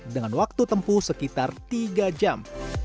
dengan waktu tempuh sekitar tiga jam